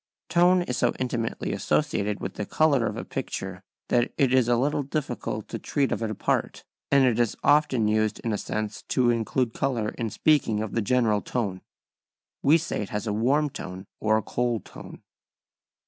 Tone is so intimately associated with the colour of a picture that it is a little difficult to treat of it apart, and it is often used in a sense to include colour in speaking of the general tone. We say it has a warm tone or a cold tone.